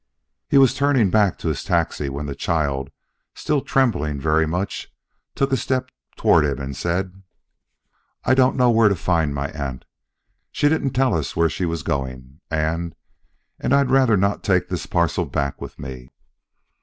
He was turning back to his taxi when the child, still trembling very much, took a step toward him and said: "I don't know where to find my aunt. She didn't tell us where she was going; and and I had rather not take this parcel back with me.